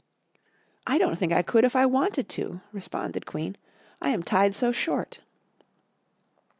"I don't think I could if I wanted to," responded Queen, "I am tied so short."